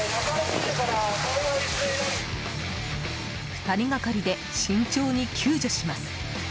２人がかりで慎重に救助します。